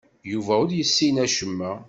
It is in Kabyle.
Yuba ur yessin acemma.